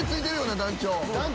団長！